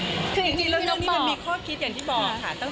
คือจริงแล้วเรื่องนี้มันมีข้อคิดอย่างที่บอกค่ะ